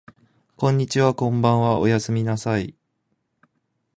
こんにちはこんばんはおやすみなさい